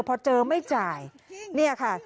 พอเจอไม่จ่ายเนี่ยค่ะ